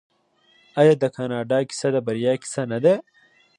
آیا د کاناډا کیسه د بریا کیسه نه ده؟